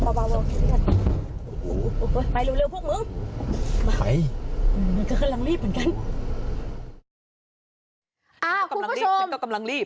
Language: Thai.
คุณผู้ชม